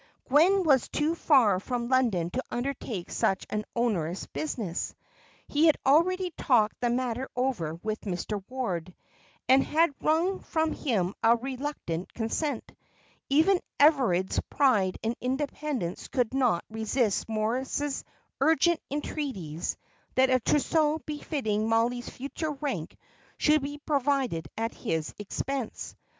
Gwen was too far from London to undertake such an onerous business; he had already talked the matter over with Mr. Ward, and had wrung from him a reluctant consent. Even Everard's pride and independence could not resist Moritz's urgent entreaties that a trousseau befitting Mollie's future rank should be provided at his expense.